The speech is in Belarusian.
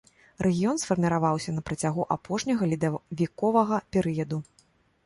Рэгіён сфарміраваўся на працягу апошняга ледавіковага перыяду.